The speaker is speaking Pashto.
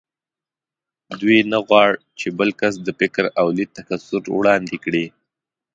دوی نه غواړ چې بل کس د فکر او لید تکثر وړاندې کړي